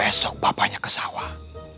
besok bapaknya ke sawah